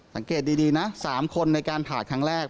สังเกตดีนะ๓คนในการผ่าครั้งแรก